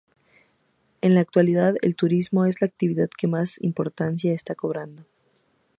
En la actualidad el turismo es la actividad que más importancia está cobrando.